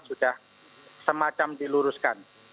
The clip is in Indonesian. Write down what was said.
sudah semacam diluruskan